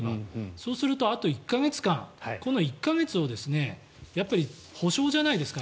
そうするとあと１か月間この１か月をやっぱり補償じゃないですか。